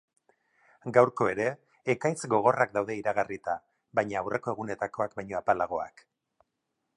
Gaurko ere, ekaitz gogorrak daude iragarrita, baina aurreko egunetakoak baino apalagoak.